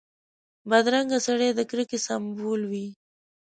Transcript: بدرنګه سړی د کرکې سمبول وي